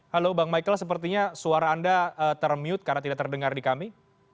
halo bang michael sepertinya suara anda termute karena tidak terdengar di kami